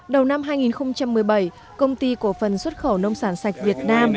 đầu năm hai nghìn một mươi bảy công ty cổ phần xuất khẩu nông sản sạch việt nam